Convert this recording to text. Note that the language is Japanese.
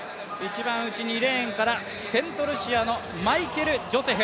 ２レーンからセントルシアのマイケル・ジョセフ。